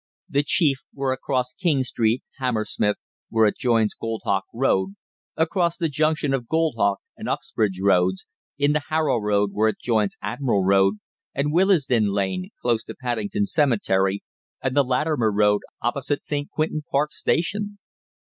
The chief were across King Street, Hammersmith, where it joins Goldhawk Road, across the junction of Goldhawk and Uxbridge Roads, in the Harrow Road where it joins Admiral Road, and Willesden Lane, close to the Paddington Cemetery, and the Latimer Road opposite St. Quintin Park Station.